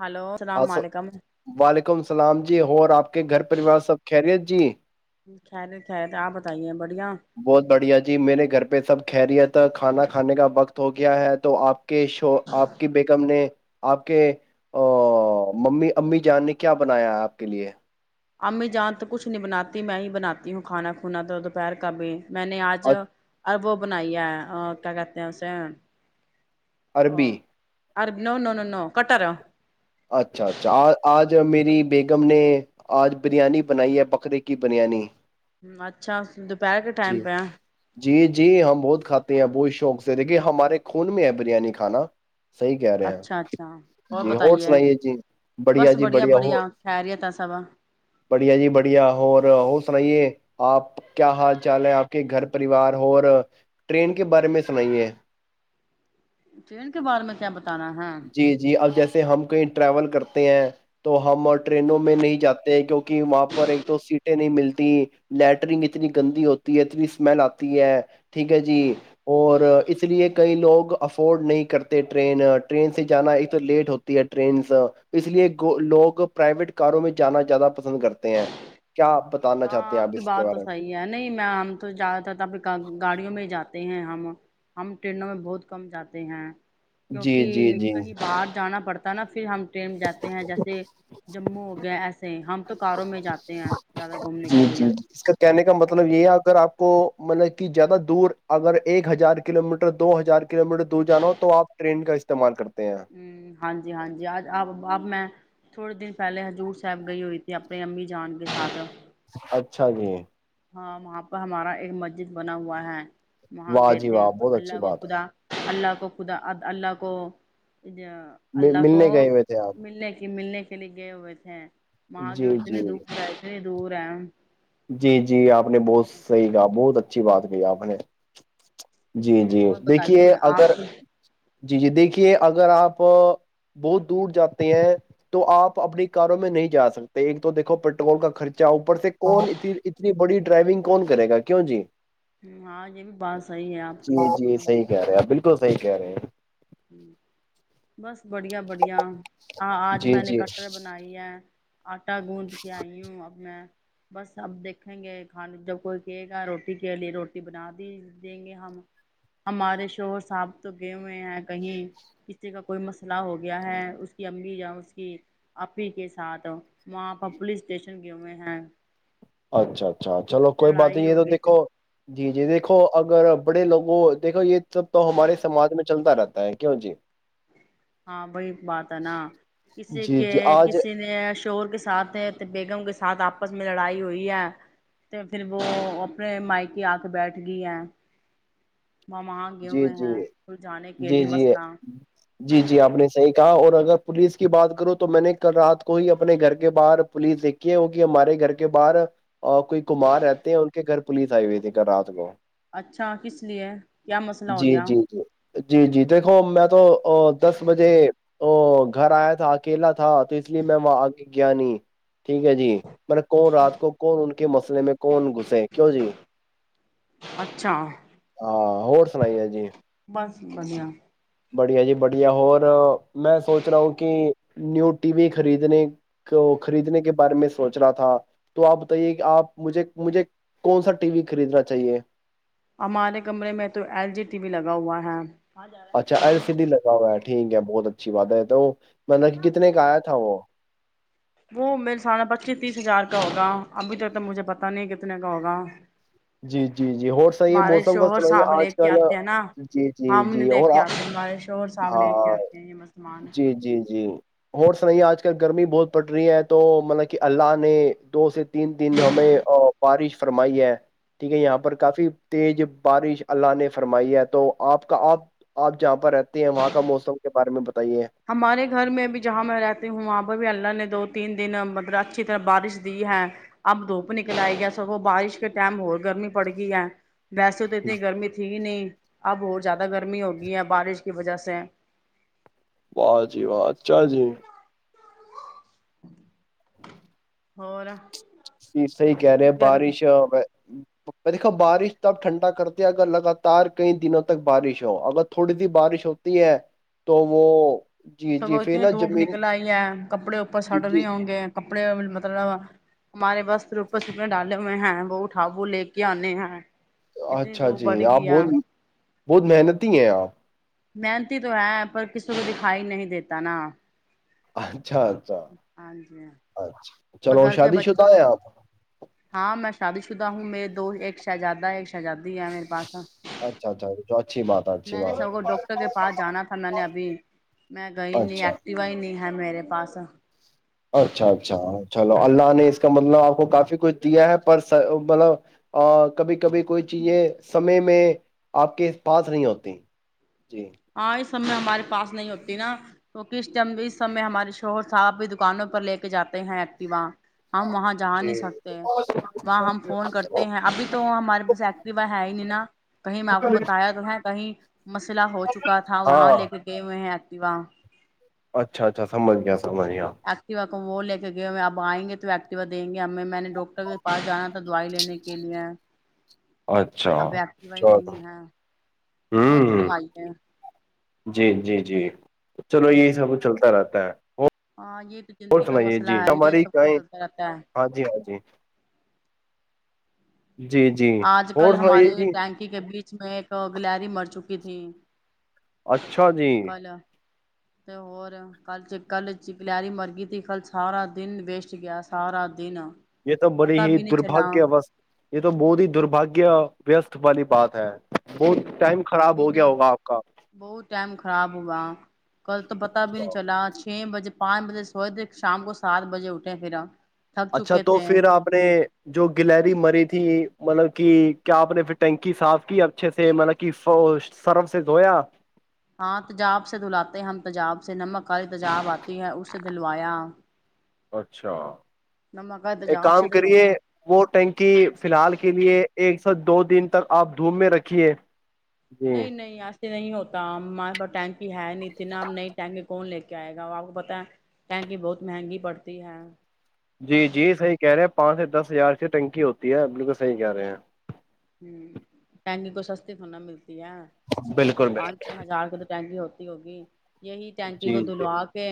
hello السلام اسو علیکم وعلیکم السلام جی اور آپ کے گھر پریوار سب خریت جی خیرے خیرت آپ بتائیے بڑھیا بہت بڑھیا جی میرے گھر پہ سب خیریت کھانا کھانے کا وقت ہو گیا ہے تو آپ کے ش آپ کی بییکم نے آپ کے ممی امی جان نے کیا بنایا ہے آپ کے لیے امی جان تو کھ نہیں بناتی میں ہی بناتی ہوں کھانا کھونا تو دوپہر کابھی میں نے آج اچ- ا وہ بنائیے اور کیا کرتے ہیں اسے عربی اورر نو نو ن نو کٹ رہا اچھا اچھا آج میری بیگم نے آج بریانی بنائی ہے بکرے کی بریانی ہ اچھا دوپہر کے ٹائم جی پیا جی جی ہم بہت کھاتے بہت شوق سے دیکھیے ہمارے خون میں ہے بریانی کھانا صحی کہہ رہے اچھا اچھا اور جی ہو بتائیے سنائیے جی بڑھیا بس جی بڑھیا ہو خیریت ہے سب بڑھیا جی بڑھیا ہو ہو سنائیے آپ کیا حال چال ہے آپ کے گھر پریوار اور ٹرین کے بارے میں سنائیے ٹن کے بارے میں کیا پتا جی جی اب جیسے سے ہم کہیں ٹریول کرتے ہیں تو ہم ٹرینوں میں نہیں جاتے کیوںکہ وہاں پر ایک تو سیٹیں نہیں ملتی لیٹرنگ اتنی گندی ہوتی ہے اتنی اسمیل آتی ہے ٹھیک ہے جی اور اس لیے کئی لوگ افورڈ نہیں کرتے ٹرین ٹرین سے جانا ایک تو لیٹ ہوتی ہے ٹرینس اس لیے لوگ پرائیویٹ کاروں میں جانا زیادہ پسند کرتے ہیں کیا آپ بتانا چاہتے ہاں ہیں آپ کی اس کے بات بارے تو میں صحیح ہے نہیں میں ہم تو جاتا تھا پھر گاڑیوں میں ہی جاتا ہیں ہم ہم ٹرینوں میں بہت کم جاتے ہیں جی جی کیونکہ جی کہیں باہر جان پڑتا ہے نا پھر ہم ٹرین میں جاتے ہیں جیسے جموں ہو گیا ایسے ہم تو کاروں میں جاتے ہیں زیادہ گھومنے کے جی لیے جی ج اس کا کہنے کا ہوں مطلب یہ ہے اگر آپ کو مطلب کہ زیادہ دور اگر ایک ہزار کلو میٹر دو ہزار کلو میٹر دور جانا ہو تو آپ ٹرین کا استعمال کرتے ہیں ہ ہاں جی ہاں جی آ آپ آپ میں تھوڑے دن پہلے ہضور صاب گئے ہوئی تھی اپنی امی جان کے ساتھ اچھا جی ہاں وہاں پہ ہمارا ایک مسجد بنا ہوا ہے وہاں واہ گئے جی تھے واہ بہت اللہ اچھی کا بات خدا اللہ کا کو خدا اللہ کو ا ہے اللہ کو ملنے گئے ہوئے تھے آپ ملنے کی ملنے لھے لگےئے ہوئے ا تھے ماں گو جی اتنے جی دور ہے اتنے جوور ہےم جی جی آپ نے بہت صحیح کہا بہت اچھی بات کہ آپ نے جی جی اور دیکھیے بتائیے آپ اگر جی جی دیکھیے اگر آپ بہت دور جاتے ہیں تو آپ اپنی کاروں میں نہیں جا سکتے ایک تو دیکھو پیٹرول کا خرچہ اوپر سے کون ا اتنی بڑی ڈرائیونگ کون کرے گا کیوں جی ہ ہاں یہ بھی بات صحیح ہے آپ کی بالکل تو صحیح کہہ رہے ہیں ہوں بس بڑھیا بڑھیا آ آج جی میں نے جی کٹر بنائی ہے آٹا گوندھ کے آئی ہوں اب میں بس اب دیکھیں گے کھانے جب کوئی کہے گا روٹی کے لیے روٹی بنا دی دیں گے ہم ہمارے شوہر صاب تو گئے ہوئے ہیں کہیں کسی کا کوئی مسئلہ ہو گیا ہے اس کی امی یا اس کی آپی کے ساتھ وہاں پر پولیس اسٹیشن گئے ہوئے ہیں اچھا اچھا اچھا چلو کوئی بات لڑائی نہیں ہے تو ہوگئی تھی دیکھو جی جی دیکھو اگر بڑے لووں دیکھو یہ سب تو ہمارے سماج میں چلتا رہتا ہے کیوں جی ہاں وہی بات ہے نا کسی جی کے جی آج کسی نے شور کے ساتھ ہیں تو بیگم کےاتھ ساتھ آپس میں لڑائی ہوئی ہے تو پھر وہ اپنے مائکی آ کے بیٹھ گئی ہے جی جی سلجھانے کے جی لیے جی مسئلہ جی جی آپ نے صحیح اور اگر پولیس کی بات کروں تو میں نے کل رات کو ہی اپنے گھر کے باہر پولیس دیکھی ہے وہ کہ ہمارے گھر کے باہر کوئی کمار رہتے ہیں ان کے گھر پولیس آئی ہوئی تھی کل رات کو اچھا کس لیے کیا مسئلہ ہو جی گیا جی جی جی جی دیکھو میں تو دس بجے ا گھر آیا تھا اکیلا تھا تو اس لیے میں وہاں گانی ٹھیک ہے جی مل کون رات کو کون ان کے مسئلے میں کون گھسے کیوں جی اچھ ہاں اور سنائیے جی بس بڑیا بڑھیا جی بڑھیا اور میں سوچ رہا ہوں کہ نیو ٹی وی خریدنے کو خریدنے کے بارے میں سوچ رہا تھا تو آپ بتائیے کہ آپ مجھے مجھے کون سا ٹی وی خریدنا چاہیے ہمارے کمرے میں تو ایل جی ٹی وی لگا ہوا ہے اچھا ایل سی ڈی لگا ہوا ہے ٹھیک ہے بہت اچھی بات ہے تو مطلب کہ کتنے کا آیا تھا وہ وہ میرے ساما پچیس تیس ہزار کا ہوگا ابھی تو ت تو مجھے پتا نہیں کہ کتنے کا ہوگا جی جی جی اور صحیح ہے ہمارے موسم کا شوہر سنائیے صاحب لے آج کے کل آتے ہیں نا جی جی ہم نہیں جی لے اور کے آتے ہمارے شوہر صاحب لے کے ہاں آتے ہیں یہ مسلمان جی جی جی اور س نہیں آج کل گرمی بہت پڑ رہی ہے تو مطلب کہ اللہ نے دو سے تین دن ہمیں بارش فرمائی ہے ٹھیک ہے یہاں پر کافی تیز بارش اللہ نے فرمائی ہے تو آپ کا آپ آپ جہاں پر رہتے ہیں وہاں کا موسم کے بارے میں ب ہمارے گھر میں بھی جہاں میں رہتی ہوں وہاں پرہ بھی اللہ نے دو تین دن مطلب اچھی طرح بارش دی ہے اب دھوپ نکل آئی گیا سب وہ بارش کے ٹائم ہو گرمی پڑ گئی ہے ویسے تو اتنی گرمی ت نہیں اب اورت زیادہ گرمی ہوگی ہے بارش کی وجہ سے واہ جی واہ اچھا جی اور یہ صحی کہہ رہے اتنی ہیں گرمی بارش دیکھو بارش تب ٹھنڈا کرتی ہے اگر لگاتار کئی دنوں تک بارش ہو اگر تھوڑی سی بارش ہوتی ہے تو وہ جی سگو جی پھر اتنی نا دھوپ زمین نکل آئی ہے کپڑے اوپر جی سڑ جی نہیں ہوں گے کپڑے مطلب ہمارے بس روپس میں ڈالے ہوئے ہیں وہ اٹھاابو لے کے آنے ہیں اتنی اچھا دھوپ جی بڑھ آپ گئی ہے بول بہت محنتی ہیں آپ محنتی تو ہے پر کسی کو دکھائی نہیں دیتا نا ا اچھا اچھا ہاں جی اچھا چلو گھر کے شادی شدہ آئے آپ شادت شدہ ہوں میرے دو ایک شہزادہ ایک اچزادی ہے میرے پاس اچھا اچھا تو اچھی بات ہے اچھی میں نے بات ہے سب کو ڈاکٹر کے پاس جانا تھا میں نے ابھی میں گئی نہیں اچھا ایکٹیوا ہی نہیں ہے میرے پاس اچھا اچھا چلو اللہ نے اس کا مطلب آپ کو کافی کچھ دیا ہے پر مطلب کبھی کبھی کوئی چیزیں سمے میں آپ کے پاس نہیں ہوتی جی ہاں اس اس سم ہمارے پاس نہیں ہوتی نا تو کس م اس سمے ہمارے شوہر صاحب بھی دکانوں پر لے کے جاتے ہیں ایکٹیوا ہم وہاں جا جی نہیں سکتے وہاں ہم فون کرتے ہیں ابھی تو ہمارے پاس ایکٹیوا ہے ہی نہیں نا کہیں میں آپ کو بتایا تو ہے کہیں مسئلہ ہو چکا کا تھا وہاں لے ہاں کے گئے ہوئے واہ اچھا اچھا سمجھ گیا تومنیا ایکٹیوا وہ لے کے گئے ہوئے اب آئ گے تو ایکٹیوا دیں گے ہمیں میں نے ڈاکٹر کے پاس جانا تھا دوائی لینے کے لیے اچھا ابپسی وائی چلو نہیں ہوں ہے اور فرمائی ہے جی جی جی چلو یہی سب چلتا رہتا ہے تا ہاں یہ تو زندگی کا مسئلہ ہے یہ ہماری سب کو گائیں چلتا رہتا ہے ہاں جی ہاں جی جی جی اور سنائیے جی اس میں ایک گلاری مر چکی تھی اچھا جی کل تو ہور کل چ کل چکلری مرگئی تھی کل سارا دن ویسٹ گیا سارا دن یہ تو بڑی پتا ہی بھی نہیں چلا ہوں، درباگیہ ا یہ تو بہود ہی درباگیہ وست والی بات ہے ہ بہت ٹائم خراب پھر ہو گیا ہوگا آپ کا بہت ٹائم خراب ہوا کل تو پتا بھی نہیں چلا چھ بجے پانچ بجے سو د شام کو سات بجے اٹھے پھر آپ اچھا تو پھر آپ نے جو گلری مری تھی مطلب کہ کیا آپ نے پھر ٹنکی صاف کی اچھے سے مط کہ سرف سے دھویا ہاں تجاب سے دلاتے ہیں ہم تجاب سے نمک والی تجاب آتی ہے اسے دلوایا اچھا ایک تجاب کام سے کریے دھلوایا وہ ٹینکی فی الحال کے لیے ایک دو دن تک آپ دھووم میں رکھھیے نہیں نہیں ایسے نہیں ہوتا ہمارے پا ٹینکی ہے نہیں تھی نا نئی ٹینکی کون لتے کیا آئے گا آپ کو پتا ہے کینک بہت مہنگی پڑتی ہے جی جی صحیح کہہ رہے ہیں پانچ سے دس ہزار سے ٹنکی ہوتی ہے بالکل صحیح کہہ رہے ہیں ہ ٹینگ کو سستتے فا ملتی تی ہے بالکل پ بالکل چ ہزار کے تو ٹینگی ہوتی ہوگی [unintelligible] یہی ٹینکی جی کو جی دلوا کے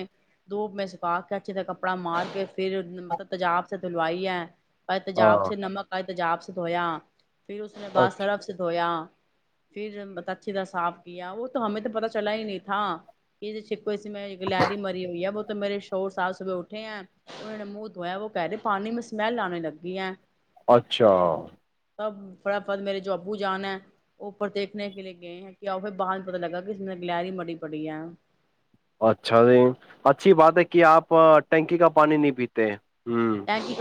دپ میں سکا کے اچھے ت کپڑا مار کے پھر مطلب تجاب [unintelligible] ہاں [unintelligible] تجاابس دھویا پھر اس نے اچھا باشرف سے دھویا پھر اچھی طرح صاف کیا وہ تو ہمیں تو پتا چلا ہی نہیں تھا کہ کو اس میں ایک لہری مری ہوئی ہے بت تو میرے شور صاب صبح اٹھے ہیں انہ نے منہ دھویا وہ کہہ رہے پانی میں سمیل آنے لگ ہے اچھا تب فٹافٹ میرے جو ابو جان ہے وہ اوپر دیکھنے کے لیے گئے ہیں کیا پھر بعد میں پتا لگا کہ اس میں نے گلری مریی پڑی ہے اچھا جی اچھی بات ہے کہ آپ ٹینکی کا پانی نہیں پیتے ہوں ٹنکک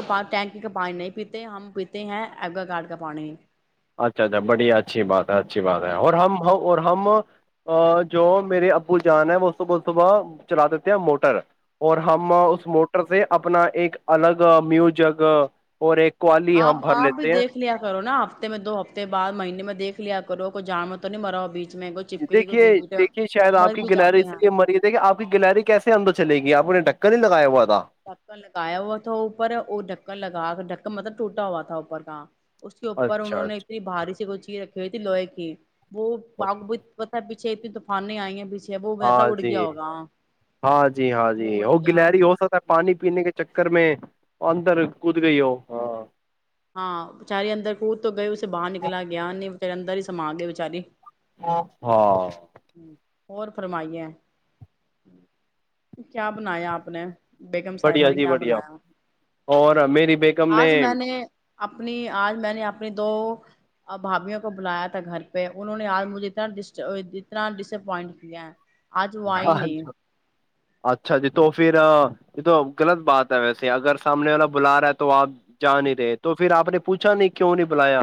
کا پانی نہیں پیتے ہم پیتے ہیں ایگوا کارڈ کا پانی اچھا اچھا بڑی اچھی بات ہے اچھی بات ہے ہاں اور ہم اور ہم ا جو میرے ابو جان ہے وہ صبح صبح چلا اور ہم ہوں اس موٹر سے اپنا ایک الگ میوجک اور ایک کوالی ہم آپ بھر آپ بھی لیتے ہیں دیکھ لیا کرو نا آپ میں دو ہفتے بعد مہینے میں دیکھ لیا کرو کو جان میں تو نہیں مرا بیچ میں کوئی چپکلی کو دیکھیے گگٹا دیکھیے شاید آپ مر کی بھی گلری جاتے اس ہیں لیے مری دیک کہ آپ کی گلری کیسے اندر چلے گی آپ نے ڈک کرندا اوات ڈکر لگایا وا ا تو اوپر وہ ڈکن لگا کے ڈک مطلب ٹوٹا ہوا تھا اوپر کا اس کے اوپر اچھا انہوں نے اچھا اتنی باریی کو چی رکھی کتی لئے کہ وہ بابت بتا چتی طوفانیں آئییں ہاں جی ہاں جی ہاں جی اڑ وہ گیا گلری ہو ستا پانی پینے کے چکر میں اندر کود گئی ہو ہاں ہاں بچاری اندر کود تو گئے اسے باہر نکلا گیا نہیں بچارے اندر ہی سما گئے بیچاری ہاں اور فرمائی ہے کیا بنایا اپپ نے بیگم صاحبہ بڑھیا نے جی کیا بڑھیا بنایا اور میری بییکم نے آج میں اپنی آج میں نے اپنی دو بھابھیوں کو بلایا تھا گھر پہ انہوں نے آج مجھے اتنا ڈسٹ اتنا ڈسپوائنٹ کیا آج وائی نہیں اچھا جی تو پھر یہ تو غلط بات ہے ویسے اگر سامنے والا بلا رہا ہے تو آپ جا نہیں رہے تو پھر آپ نے پوچھا نہیں کیوں نہیں بلایا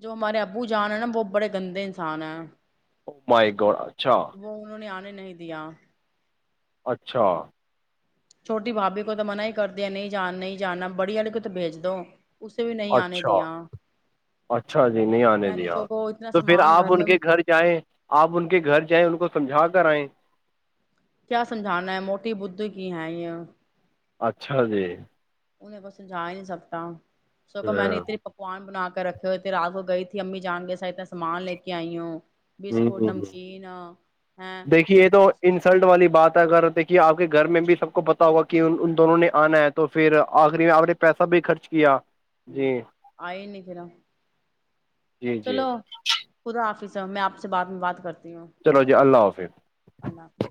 جو ہمارے ابو جان ہے نا وہ بڑے گندے انسان ہیں مائی گوڑ وہ انہوں نے آنے نہیں دیا اچھا چھوٹی بھابھی کو تو منع ہی کر د ہے نہیں جان نہیں جاننا بڑی والے کو تو بھیج دو اسے بھی نہیں آنے اچھا دیا اچھا جی نہیں آنے میں نے دیا سب کو اتنا تو پھر سامان آپ ان میں کے گھر جائیں آپ ان کے گھر جائیں ان کو سمجھا کر کرا ہے کیا سمجھانا ہے موٹی بد کی ہے یہ اچھا جی انہیں کو سجا ہی نہیں سکتا س کہ میں نے ہاں اتنی پکوان بنا کے رکھے ہوئے تھ رات کو گئی تھی امی جان گے سات سامان لے کے آئی ہو بیس کوٹ ہ نمکین ہ دیکھیے یہ تو انسلٹ والی بات اگر دیکھیے آپ کے گھر میں بھی سب کو پتا ہوگا کہ ان دونوں نے آنا ہے تو پھر آخری میں آپ نے پیسہ بھی خرچ کیا ہوں جی آئی نہیں پھر جی جی چلو خا آفس سر میں آپ سے بات میں بات کرتا ہوں چلو جی اللہ حافظ [inaudible] اللہ حافظ